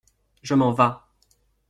Je m’en vas !